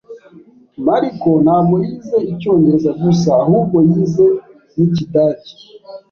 Mariko ntabwo yize icyongereza gusa ahubwo yize n'ikidage.